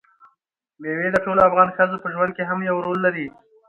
مېوې د ټولو افغان ښځو په ژوند کې هم یو رول لري.